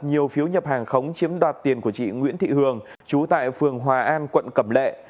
nhiều phiếu nhập hàng khống chiếm đoạt tiền của chị nguyễn thị hường chú tại phường hòa an quận cẩm lệ